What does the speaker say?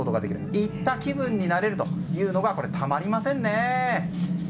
行った気分になれるというのがたまりませんね。